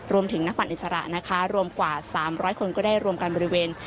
รวมถึงนักปั่นอิสระนะคะรวมกว่า๓๐๐คนก็ได้รวมกันบริเวณ